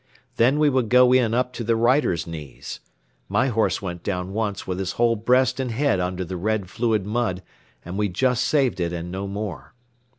Then we would go in up to the riders' knees. My horse went down once with his whole breast and head under the red fluid mud and we just saved it and no more.